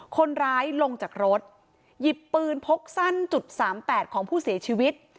คนร้ายลงจากรถหยิบปืนพกสั้นจุดสามแปดของผู้เสียชีวิต